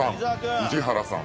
宇治原さん